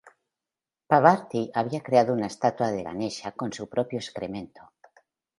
Parvati había creado una estatua de Ganesha con su propio excremento.